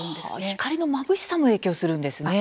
光のまぶしさも影響するんですね。